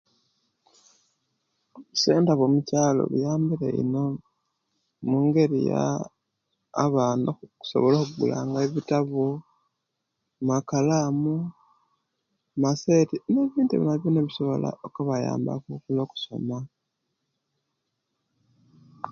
Obusenta bwo mukyaalo buyambire ino, mungeri ya abaana okusobola o'gulanga ebitabo, makalamu, maseeti nebintu ebyo byonabyona, ebisobola okubayamba ku olwo'kusoma.